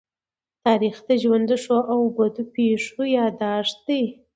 تاریخ د ژوند د ښو او بدو پېښو يادښت دی.